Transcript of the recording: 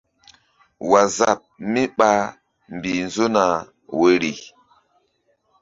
Waazap mí ɓa mbih nzo na woyri.